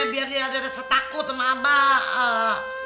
biar dia ada rasa takut sama abah